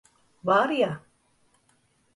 Var ya!